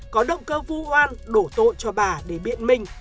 có động cơ vô oan đổ tội cho bà để biện mình